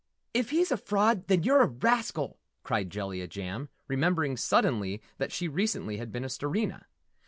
"If he's a fraud then you're a rascal!" cried Jellia Jam, remembering suddenly that she recently had been a Starina.